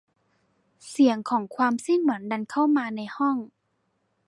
เสียงของความสิ้นหวังดังเข้ามาในห้อง